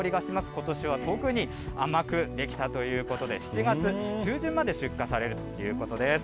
ことしは特に、甘く出来たということで、７月中旬まで出荷されるということです。